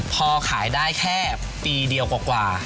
พอขายได้แค่ปีเดียวกว่า